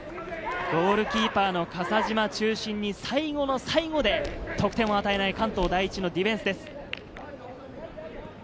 ゴールキーパーの笠島中心に最後の最後で得点を与えない関東第一のディフェンスです。